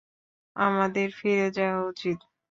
আমাদের ফিরে যাওয়া উচিত।